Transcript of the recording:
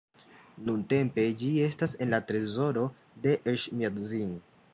Nuntempe ĝi estas en la trezoro de Eĉmiadzin.